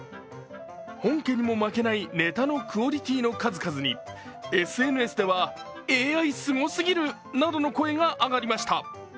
本家にも負けないネタのクオリティーの数々にＳＮＳではＡＩすごすぎるなどの声が上がりました。